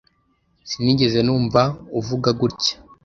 Sinigeze numva uvuga gutya.